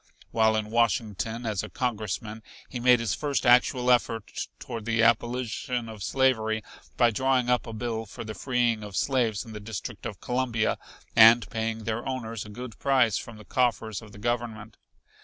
While in Washington as a congressman, he made his first actual effort toward the abolition of slavery by drawing up a bill for the freeing of slaves in the District of Columbia and paying their owners a good price from the coffers of the Government.